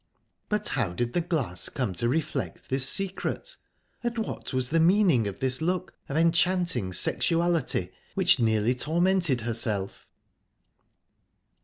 But how did the glass come to reflect this secret? And what was the meaning of this look of enchanting sexuality, which nearly tormented herself?...